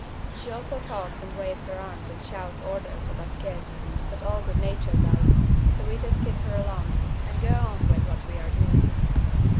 She also talks and waves her arms and shouts orders at us kids, but all good natured like, so we just kid her along and go on with what we're doing.